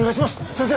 先生！